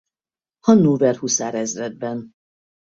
Hannover huszárezredben.